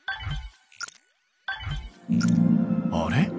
あれ？